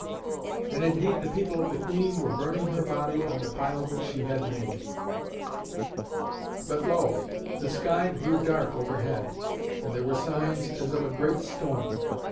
And indeed the people of the queen were burning her body on the pile which she had made. But lo! the sky grew dark overhead, and there were signs as of a great storm.